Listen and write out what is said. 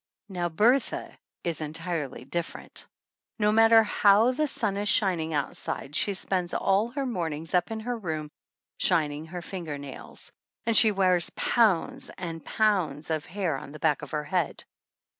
Now, Bertha is entirely different! No mat ter how the sun is shining outside she spends all her mornings up in her room shining her finger nails ; and she wears pounds and pounds of hair on the back of her head.